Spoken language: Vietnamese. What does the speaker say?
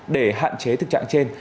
để hạn chế thực trạng trên